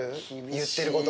言ってること。